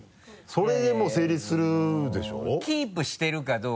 それでもう成立するでしょう？